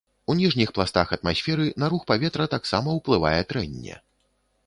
У ніжніх пластах атмасферы на рух паветра таксама ўплывае трэнне.